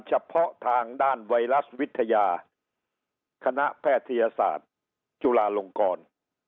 เฉพาะทางด้านไวรัสวิทยาคณะแพทยศาสตร์จุฬาลงกร